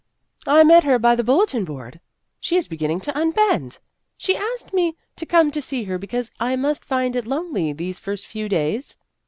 " I met her by the bulletin board. She is beginning to unbend. She asked me to come to see her because I must find it lonely these first few days."